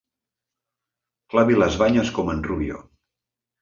Clavi les banyes com en Rubio.